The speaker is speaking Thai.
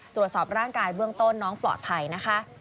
ตรวจสอบร่างกายเบื้องต้นน้องปลอดภัยนะคะ